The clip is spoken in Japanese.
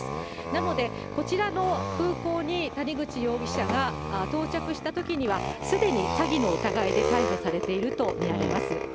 なので、こちらの空港に谷口容疑者が到着したときには、すでに詐欺の疑いで逮捕されていると見られます。